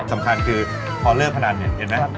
สำคัญคือพอเลิกพนันเนี่ยเห็นมั้ยครับ